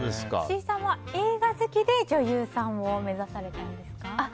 岸井さんは映画好きで女優さんを目指されたんですか？